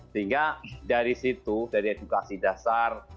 sehingga dari situ dari edukasi dasar